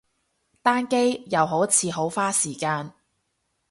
單機，又好似好花時間